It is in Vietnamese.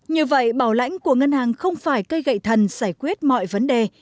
như vậy bảo lãnh của ngân hàng không phải cây gậy thần giải quyết mọi vấn đề